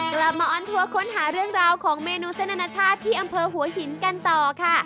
มาออนทัวร์ค้นหาเรื่องราวของเมนูเส้นอนาชาติที่อำเภอหัวหินกันต่อค่ะ